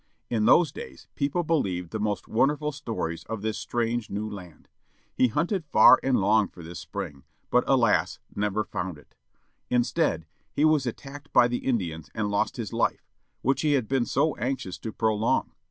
In those days people believed the most wonderfvil stories of this new strange land. He himted far and long for this spring, but alas never found it. Instead, ^^^^^ he was attacked by the Indians and lost his life, which he had been ^H^^ ^m^ so anxious to prolong.